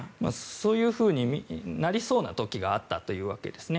そういうふうになりそうな時があったというわけですね。